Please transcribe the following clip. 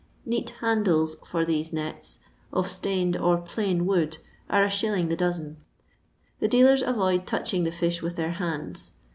Neat handles for these nets, of stained or plain wood, are Is. the doaen. The dealers avoid touching the fish with their hands.